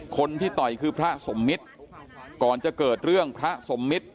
คนที่ต่อยคือพระสมมิตรก่อนจะเกิดเรื่องพระสมมิตร